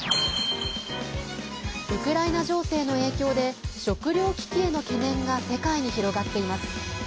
ウクライナ情勢の影響で食糧危機への懸念が世界に広がっています。